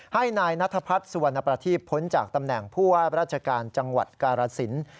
ให้นายนัทพัฒน์สุวรรณประทีพพ้นจากตำแหน่งผู้ว่าราชการจังหวัดกาลสิน